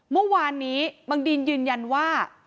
เมื่อวานนี้บางดีนยืนยันว่า